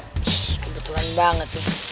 shhh kebetulan banget tuh